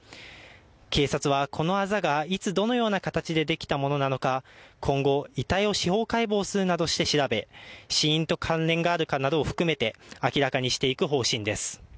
警察は、このあざがいつ、どのような形でできたものなのか今後、遺体を司法解剖するなどして調べ死因と関連があるかなどを含めて明らかにしていく方針です。